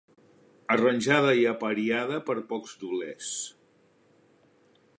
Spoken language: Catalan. Arranjada i apariada per pocs doblers.